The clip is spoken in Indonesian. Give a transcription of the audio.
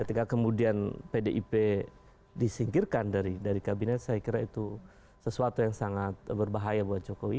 ketika kemudian pdip disingkirkan dari kabinet saya kira itu sesuatu yang sangat berbahaya buat jokowi